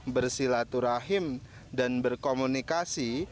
bersilaturahim dan berkomunikasi